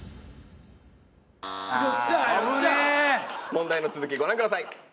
問題の続きご覧ください。